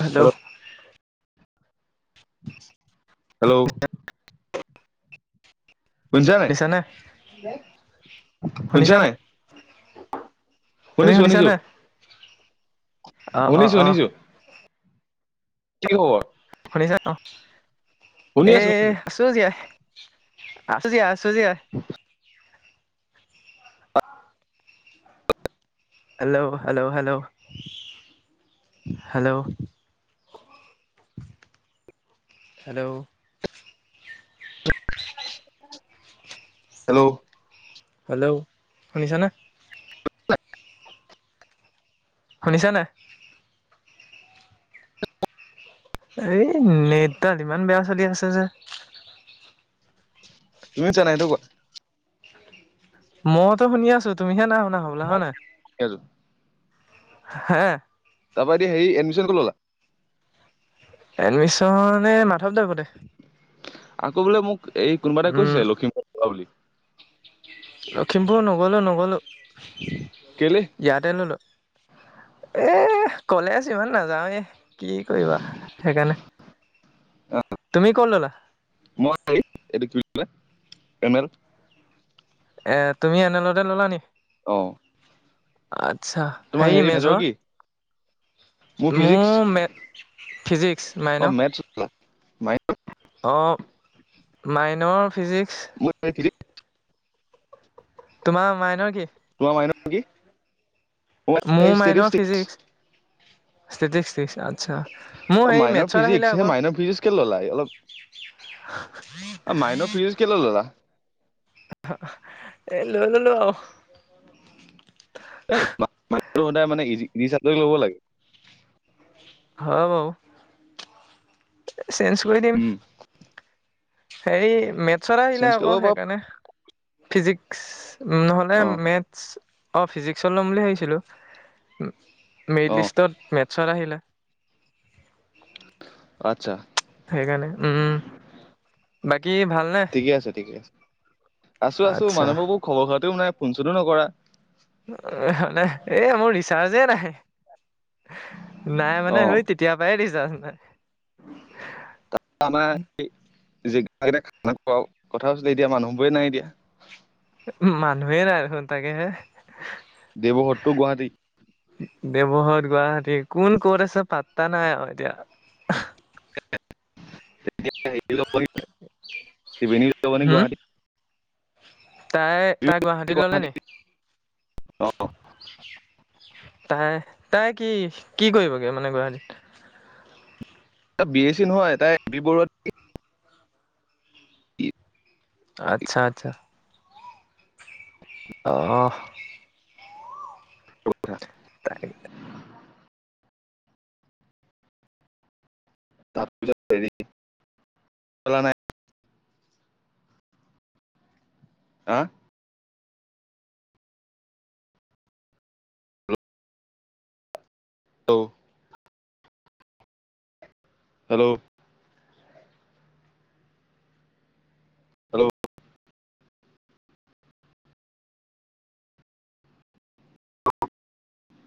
Hello. Hello. খুনচা নাই, শুনিছানে খুনচা শুনিছানে নাই? তুমি খুনিছো খুনিছো, শুনিছানে অ অ খুনিছো অ খুনিছো। কি খবৰ? শুনিছা অ' শুনি এ আছো শুনিছো আছো জিয়া, আছো জিয়া। চুজিয়া hello hello, hello hello. Hello. Hello. Hello শুনিছা নে? [inaudible] খুনিচা নে? এ নিত দাল ইমান বেয়া চলি আছে যে। তুমি চ নাইটো ক মইতো শুনি আছো তুমিহে নাই শুনা হ'বো মই হয় ন। শুনি আছো হে তাৰপা এতিয়া হেৰি এডমিশন কলা। এডমিশনে মাধৱ দোৰ আগতে আকৌ বোলে মোক এই কোনোবা এটা উম কৈছিলে লখিমপুৰোৱা বুলি। লখিমপুৰ নগ'লো নগ'লো কেলে ইয়াতে ল'লোঁ। এ কলে আছো ইমান নাযাওঁ এ কি কৰিবা সেইকাৰণে আহ, তুমি কত ললা। এমেল [unintelligible] এ তুমি এনে লৰে ল'লা নেকি? অ', অহ, আচ্ছা, হেৰি মেজৰ মোৰ মে ফিজিক্স অ' মেথছ মাই অ', মাইনৰ ফিজিক্স মই এাই [unintelligible] তোমাৰ মাইনৰ কি? মাইনৰ কি মোৰ ম মাইন ষ্টেটিষ্টিক্স ফিজিক আচ্ছা, মোৰ অ', হেৰি মাইন মেথছত ফিজিক্স আহিলে সেই আকৌ মাইন ফিজিক্স কে ল'লাই অলপ। অ', মাইন ফিজ কেললা। এ ল' ল লো আৰু। এই সদায় মানেি চাদৰি ল'ব লাগে। হয় ভাৰো চেনচ কৰি দিম। উম হে মেথছত আহিলে চেঞ্জ আকৌ কৰিব পাৰ সেইকাৰণে ফিজিক্স, নহ'লে অ মেথছ অঁ ফিজিক্সত ল'ম বুলি ভাবিছিলোঁ । অ মেৰিট লিষ্টত মেটছত আহিলে । আচ্ছা, সেইকাৰণে উম, বাকী ভালনে ঠিকে আছে ঠিকে আছে, আছো আছো আচ্ছা মানুহবোৰবোৰ খবৰ খাতিও নাই ফোন চোনো নকৰা । এই মোৰ ৰিচাৰ্জে নাই । নাই অ মানে সৈ তেতিয়াৰ পৰাই ৰিছাৰ্চ নাই । আমাৰ, যে [inaudible] খোৱাও কথাছিলে এতিয়া মানুহবোৰে নাই এ দিয়া। মানুহে ন আৰু তাকে হে । দেৱব্ৰত গুৱাহাটী, দেৱহৰ গুৱাহাটী কোন ক'ত আছে পাট্তা নাই আৰু এতিয়া । লব শ্ৰিিবেণী [inaudible] ল'ব গুৱাহাটী তাই-তাই গুৱাহাটীত ললে গুৱাহাটী নি? তাই-তাই কি-কি কৰিবগৈ মানে গুৱাহাটীত? বি এছ চি নহয় তাই এ বি বৰুৱাত। [inaudible] আচ্ছা-আচ্ছা । [inaudible] তাৰ [inaudible] তাৰ পা হেৰিা নাই [inaudible] হা। অ [inaudible] হেল্ল', হেল্ল'